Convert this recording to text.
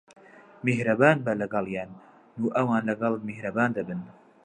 میھرەبان بە لەگەڵیان، و ئەوان لەگەڵت میھرەبان دەبن.